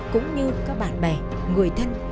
cũng như các bạn bè người thân